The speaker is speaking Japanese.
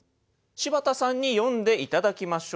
柴田さんに読んで頂きましょう。